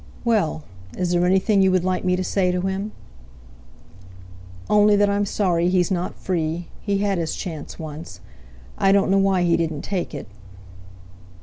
"Well! Is there anything you would like me to say to him?" "Only that I'm sorry he's not free. He had his chance once. I don't know why he didn't take it."